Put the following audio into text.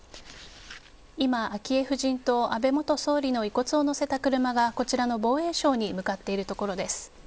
今、昭恵夫人と安倍元総理の遺骨を載せた車がこちらの防衛省に向かっているところです。